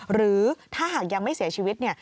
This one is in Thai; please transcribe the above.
หรือถ้าหากยังไม่เสียชีวิตเนี่ย